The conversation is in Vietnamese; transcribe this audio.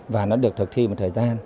và nó được thực thi một thời gian